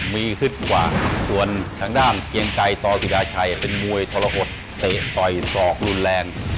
มีขึ้นกว่าส่วนทางด้านเกียงไกรต่อศิราชัยเป็นมวยทรหดเตะต่อยศอกรุนแรง